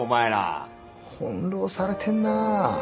翻弄されてんなぁ。